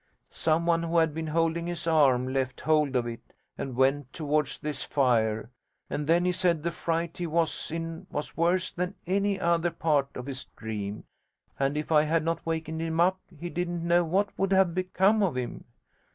Someone who had been holding his arm left hold of it and went towards this fire, and then he said the fright he was in was worse than at any other part of his dream, and if I had not wakened him up he didn't know what would have become of him.